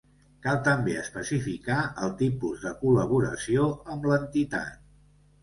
Cal també especificar el tipus de col·laboració amb l'entitat.